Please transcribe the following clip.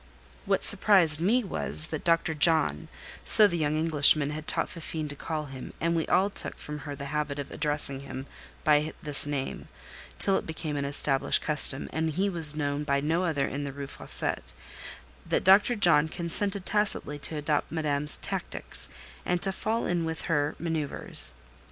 What surprised me was, that Dr. John (so the young Englishman had taught Fifine to call him, and we all took from her the habit of addressing him by this name, till it became an established custom, and he was known by no other in the Rue Fossette)—that Dr. John consented tacitly to adopt Madame's tactics, and to fall in with her manoeuvres.